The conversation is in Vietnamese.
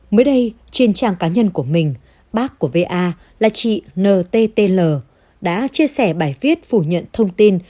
mới đây trên trang cá nhân của mình bác của va là chị nttl đã chia sẻ bài viết phủ nhận thông tin